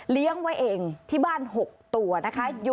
เลี้ยงไว้เองที่บ้าน๖ตัวนะคะ